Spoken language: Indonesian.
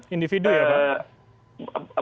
individu ya pak